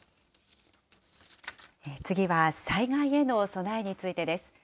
次は災害への備えについてです。